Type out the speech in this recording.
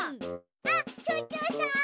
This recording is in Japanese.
あっちょうちょうさん！